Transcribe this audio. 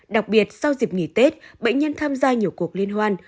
đặc biệt sau dịp nghỉ tết bệnh nhân tham gia nhiều cuộc liên hoan